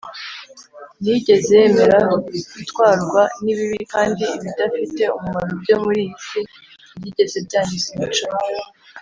Ntiyigeze yemera gutwarwa n’ibibi, kandi ibidafite umumaro byo muri iyi si ntibyigeze byangiza imico ye